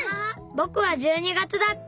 ぼくは１２月だった！